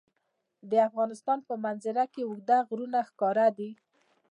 د افغانستان په منظره کې اوږده غرونه ښکاره ده.